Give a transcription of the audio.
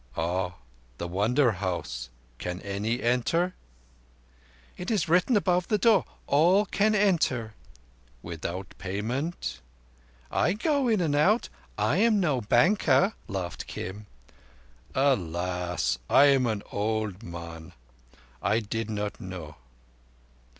"Ah! The Wonder House! Can any enter?" "It is written above the door—all can enter." "Without payment?" "I go in and out. I am no banker," laughed Kim. "Alas! I am an old man. I did not know."